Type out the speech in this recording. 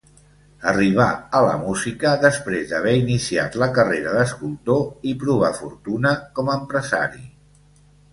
Arribà a la música després d'haver iniciat la carrera d'escultor i provar fortuna com empresari.